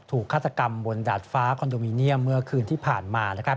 ฆาตกรรมบนดาดฟ้าคอนโดมิเนียมเมื่อคืนที่ผ่านมา